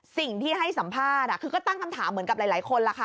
สิ่งที่ให้สัมภาษณ์คือก็ตั้งคำถามเหมือนกับหลายคนล่ะค่ะ